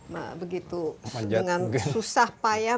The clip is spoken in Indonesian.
dengan susah payah